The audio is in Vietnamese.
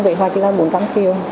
vậy hoặc là bốn trăm linh triệu